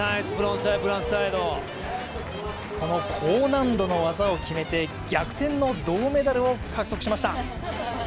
この高難度の技を決めて逆転の銅メダルを獲得しました。